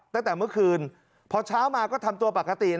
ตั้งแต่เมื่อคืนพอเช้ามาก็ทำตัวปกติ